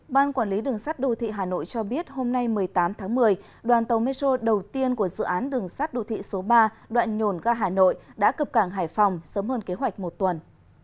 ban quản lý đường sắt đô thị hà nội cho biết hôm nay một mươi tám tháng một mươi đoàn tàu metro đầu tiên của dự án đường sát đô thị số ba đoạn nhổn ga hà nội đã cập cảng hải phòng sớm hơn kế hoạch một tuần